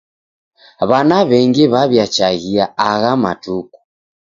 Wana w'engi w'aw'iachaghia agha matuku.